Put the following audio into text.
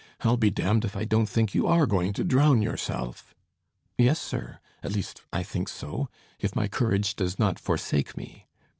I'll be damned if I don't think you are going to drown yourself." "Yes, sir; at least I think so, if my courage does not forsake me."